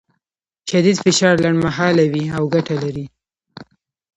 شدید فشار لنډمهاله وي او ګټه لري.